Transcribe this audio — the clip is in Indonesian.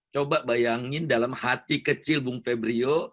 coba bayangin dalam hati kecil bung febrio